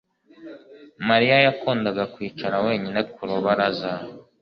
Mariya yakundaga kwicara wenyine ku rubaraza